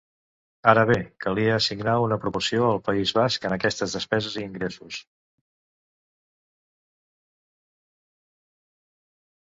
Ara bé, calia assignar una proporció al País Basc en aquestes despeses i ingressos.